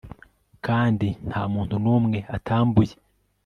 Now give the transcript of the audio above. kandi nta muntu n'umwe atambuye